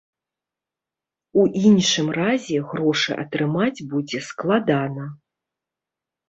У іншым разе грошы атрымаць будзе складана.